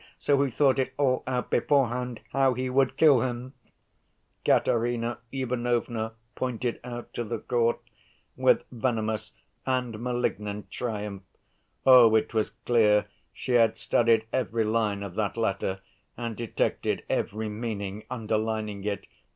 So he thought it all out beforehand how he would kill him," Katerina Ivanovna pointed out to the court with venomous and malignant triumph. Oh! it was clear she had studied every line of that letter and detected every meaning underlining it.